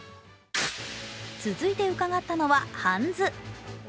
続いて伺ったのはハンズ。